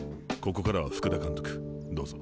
ここからは福田監督どうぞ。